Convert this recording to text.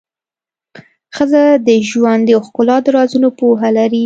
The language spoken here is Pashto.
ښځه د ژوند د ښکلا د رازونو پوهه لري.